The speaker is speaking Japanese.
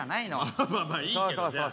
まあまあいいけどね。